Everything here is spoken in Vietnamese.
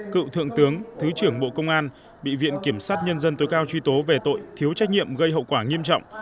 cựu thượng tướng thứ trưởng bộ công an bị viện kiểm sát nhân dân tối cao truy tố về tội thiếu trách nhiệm gây hậu quả nghiêm trọng